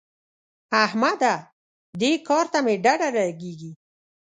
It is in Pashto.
احمده! دې کار ته مې ډډه لګېږي.